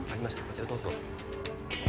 こちらどうぞ。